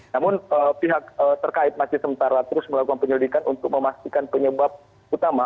namun pihak terkait masih sementara terus melakukan penyelidikan untuk memastikan penyebab utama